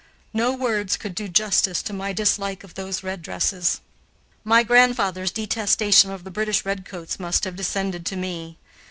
No words could do justice to my dislike of those red dresses. My grandfather's detestation of the British redcoats must have descended to me.